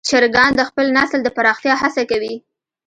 چرګان د خپل نسل د پراختیا هڅه کوي.